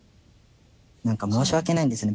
何か申し訳ないんですよね。